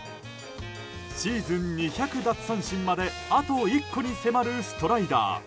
シーズン２００奪三振まであと１個に迫るストライダー。